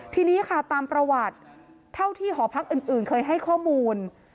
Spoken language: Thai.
ทีนี้ค่ะตามประวัติเท่าที่หอพักอื่นเคยให้ข้อมูล